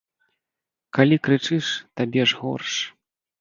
Калі крычыш, табе ж горш.